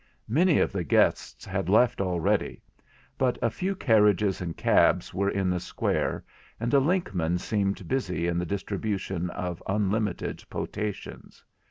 Many of the guests had left already, but a few carriages and cabs were in the square, and a linkman seemed busy in the distribution of unlimited potations.